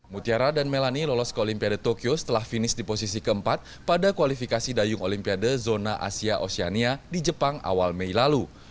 mutiara dan melani lolos ke olimpiade tokyo setelah finish di posisi keempat pada kualifikasi dayung olimpiade zona asia oceania di jepang awal mei lalu